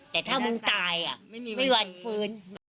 แต่ถ้ามึงตายไม่วันฟื้น